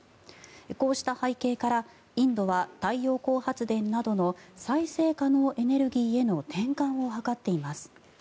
こうした背景からインドは太陽光発電などの再生可能エネルギーへの転換を図っています。